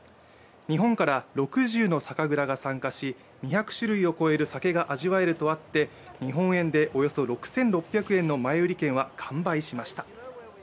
日本から６０の酒蔵が参加し、２００種類を超える酒が味わえるとあって、日本円でおよそ６６００円の前売り券は完売しました。